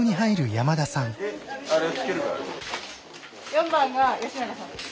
４番が吉永さんです。